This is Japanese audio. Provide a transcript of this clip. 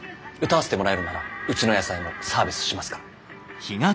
歌わせてもらえるならうちの野菜もサービスしますから。